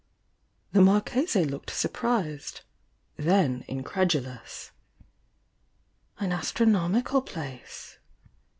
The Marchese looked surprised, — then incredu lous. "An astronomical place?"